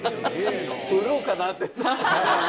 売ろうかなって。